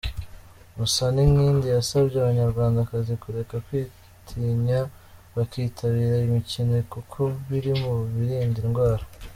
Musaninkindi yasabye Abanyarwandakazi kureka kwitinya, bakitabira imikino kuko biri mu birinda indwara.